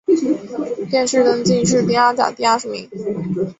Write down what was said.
殿试登进士第二甲第二十名。